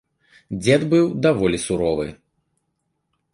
Дзед быў даволі суровы.